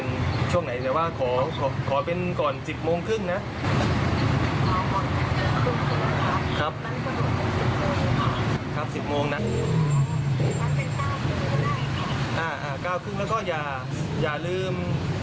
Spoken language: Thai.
น่ะ๙๓๐แล้วก็อย่าลืม